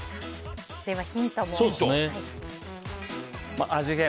ではヒントを。